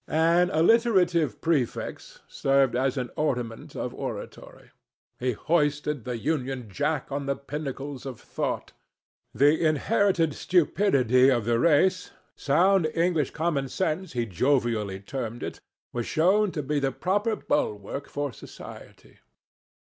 An alliterative prefix served as an ornament of oratory. He hoisted the Union Jack on the pinnacles of thought. The inherited stupidity of the race—sound English common sense he jovially termed it—was shown to be the proper bulwark for society.